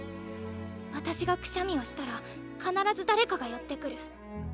私がくしゃみをしたら必ず誰かが寄ってくる。